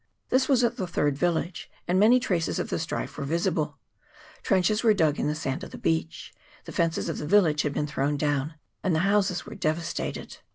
This was at the third village, and many traces of the strife were visible ; trenches were dug in the sand of the beach, the fences of the village had been thrown down, and the houses were devastated.